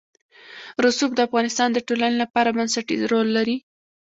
رسوب د افغانستان د ټولنې لپاره بنسټيز رول لري.